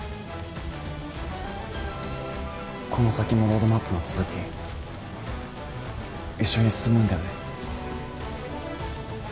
この先もロードマップの続き一緒に進むんだよね？